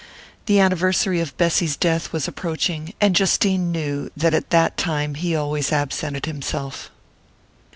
The anniversary of Bessy's death was approaching, and Justine knew that at that time he always absented himself.